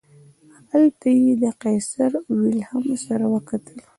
هلته یې له قیصر ویلهلم سره وکتل.